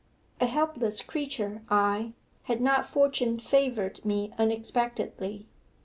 'A helpless creature I, had not fortune favoured me unexpectedly.